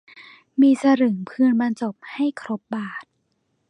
มีสลึงพึงบรรจบให้ครบบาท